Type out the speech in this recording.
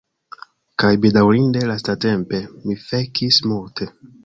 Kaj bedaŭrinde lastatempe, mi fekis multe.